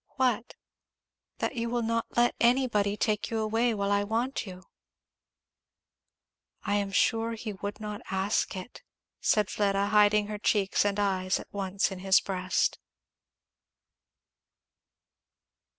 "What?" "That you will not let anybody take you away while I want you." "I am sure he would not ask it," said Fleda, hiding her cheeks and eyes at once in his breast.